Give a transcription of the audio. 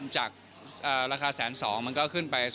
จากราคาแสน๒มันก็ขึ้นไป๒๐๐คลัย